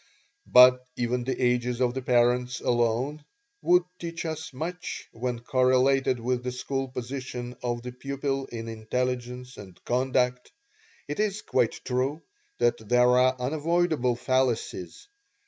But even the ages of the parents alone would teach us much when correlated with the school position of the pupil in intelligence and conduct. It is quite true that there are unavoidable fallacies.